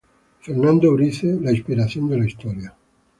Fernando Bryce, la inspiración de la Historia.